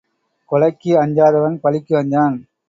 கொலைக்கு அஞ்சாதவன் பழிக்கு அஞ்சான்.